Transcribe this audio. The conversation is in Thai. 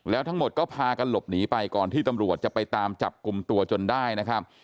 แล้วทั้งหมดก็พากันหลบหนีไปก่อนที่ตำรวจจะไปตามจับกลุ่มตัวจนได้นะครับ